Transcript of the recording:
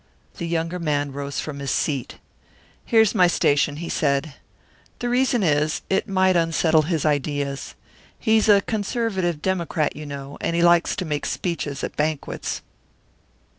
The younger man rose from his seat. "Here's my station," he said. "The reason is it might unsettle his ideas. He's a conservative Democrat, you know, and he likes to make speeches at banquets!"